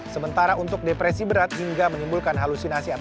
sementara untuk depresi berat hingga menimbulkan halusinasi atau kegagalan